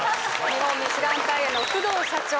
日本ミシュランタイヤの須藤社長